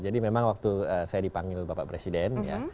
memang waktu saya dipanggil bapak presiden